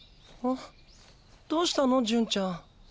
どうしたの純ちゃん。